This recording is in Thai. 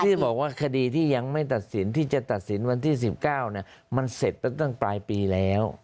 ที่บอกว่าคดีที่ยังไม่ตัดสินที่จะตัดสินวันที่๑๙มันเสร็จไปตั้งปลายปีแล้ว